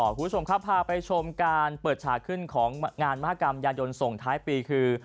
คุณผู้ชมครับพาไปชมการเปิดฉากขึ้นของงานมหากรรมยายนส่งท้ายปีคือ